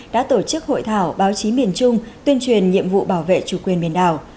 đã tổ chức hội thảo báo chí miền trung tuyên truyền nhiệm vụ bảo vệ chủ quyền biển đảo